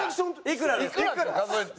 いくらですか？